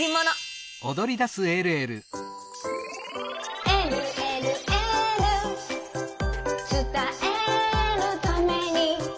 「えるえるエール」「つたえるために」